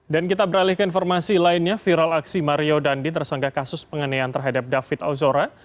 dan kita beralih ke informasi lainnya viral aksi mario dandi tersangka kasus pengenehan terhadap david ozora